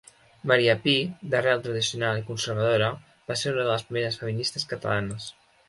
Maria Pi, d'arrel tradicional i conservadora, va ser una de les primeres feministes catalanes.